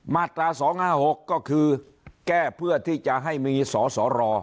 มาตรา๒๕๖ก็คือแก้เพื่อที่จะให้มีสสร